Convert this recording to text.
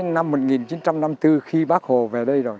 năm một nghìn chín trăm năm mươi bốn khi bác hồ về đây rồi